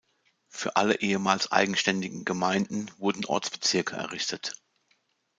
Für alle ehemals eigenständigen Gemeinden wurden Ortsbezirke errichtet.